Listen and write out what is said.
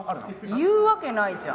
言うわけないじゃん。